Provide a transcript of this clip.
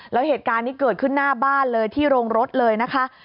แล้วเหตุการณ์นี้เกิดขึ้นหน้าบ้านเลยที่โรงรถเลยนะคะ